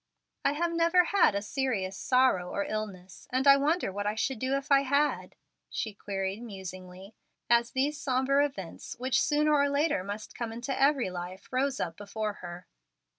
"I have never had a serious sorrow or illness, and I wonder what I should do if I had?" she queried musingly, as these sombre events, which sooner or later must come into every life, rose up before her.